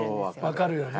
わかるよね？